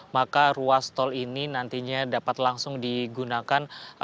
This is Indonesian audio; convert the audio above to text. maka ruas tol ini nantinya dapat langsung digunakan